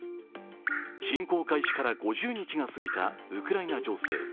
侵攻開始から５０日が過ぎたウクライナ情勢。